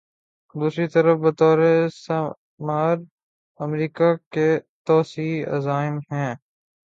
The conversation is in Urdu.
دوسری طرف بطور استعمار، امریکہ کے توسیعی عزائم ہیں۔